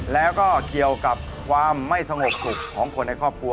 แล้วก็เกี่ยวกับความไม่สงบสุขของคนในครอบครัว